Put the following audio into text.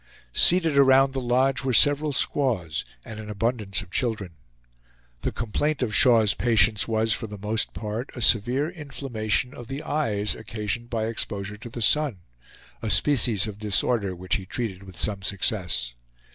Seated around the lodge were several squaws, and an abundance of children. The complaint of Shaw's patients was, for the most part, a severe inflammation of the eyes, occasioned by exposure to the sun, a species of disorder which he treated with some success.